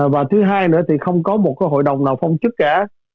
và thứ hai nữa thì không có một hội đồng nào phong chức cả